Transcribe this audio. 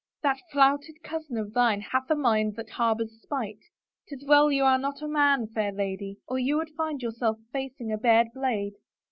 " That flouted cousin of thine hath a mind that harbors spite. 'Tis well you are not a man, fair lady, or you would find yourself facing a bared blade."